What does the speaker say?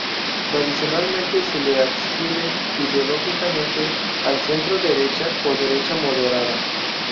Tradicionalmente se le adscribe ideológicamente al centro derecha o derecha moderada.